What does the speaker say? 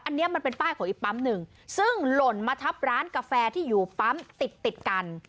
อันนี้มันเป็นป้ายของอีกปั๊มหนึ่งซึ่งหล่นมาทับร้านกาแฟที่อยู่ปั๊มติดติดกัน